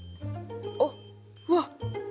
あっうわっ！